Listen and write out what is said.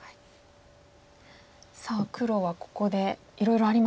さあ黒はここでいろいろありますか。